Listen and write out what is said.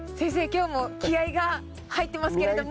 今日も気合いが入ってますけれども。